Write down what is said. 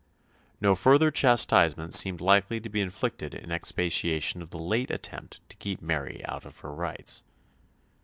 No further chastisement seemed likely to be inflicted in expiation of the late attempt to keep Mary out of her rights.